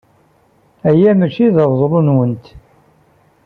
Aya maci d aweẓlu-nwent.